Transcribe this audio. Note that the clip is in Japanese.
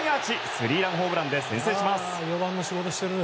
スリーランホームランで先制します。